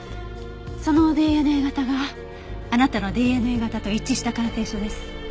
そのＤＮＡ型があなたのＤＮＡ型と一致した鑑定書です。